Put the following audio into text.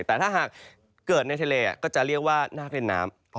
แต่ถ้าหากเกิดในทะเลก็จะเรียกว่าหน้าเล่นน้ำ